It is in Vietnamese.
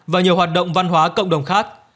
và nhiều hoạt động văn hóa cộng đồng khác